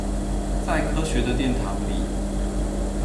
在科學的殿堂裡